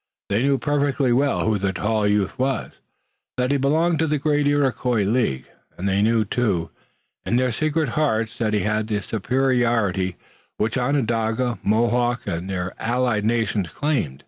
They knew perfectly well who the tall youth was, that he belonged to the great Iroquois league, and they knew, too, in their secret hearts that he had the superiority which Onondaga, Mohawk and their allied nations claimed.